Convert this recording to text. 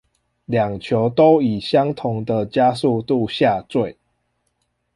兩球都以相同的加速度下墜